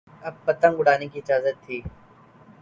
اب پتنگ اڑانے کی اجازت تھی۔